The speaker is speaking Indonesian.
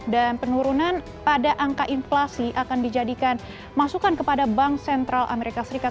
dan penurunan pada angka inflasi akan dijadikan masukan kepada bank sentral amerika serikat